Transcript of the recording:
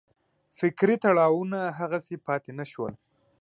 فکري تړاوونه هغسې پاتې نه شول.